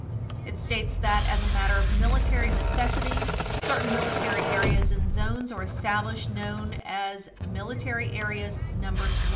It states that, "as a matter of military necessity," certain military areas and zones are established known as Military Areas Nos.